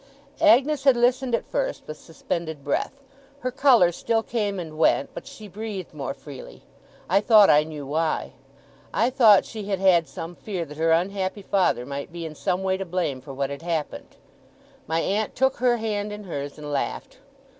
Agnes had listened at first with suspended breath. Her colour still came and went, but she breathed more freely. I thought I knew why. I thought she had had some fear that her unhappy father might be in some way to blame for what had happened. My aunt took her hand in hers, and laughed.